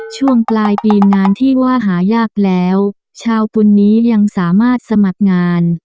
ช่วงปลายปีงานที่ว่าหายากแล้วชาวปุ่นนี้ยังสามารถสมัครงาน